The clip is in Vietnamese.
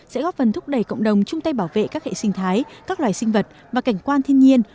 sẽ góp phần thúc đẩy cộng đồng chung tay bảo vệ các hệ sinh thái các loài sinh vật và cảnh quan thiên nhiên